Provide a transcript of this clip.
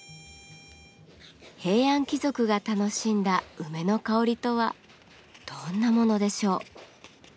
平安貴族が楽しんだ梅の香りとはどんなものでしょう。